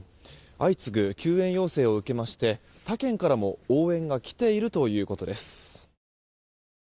相次ぐ救援要請を受けまして他県からも応援が来ているということです。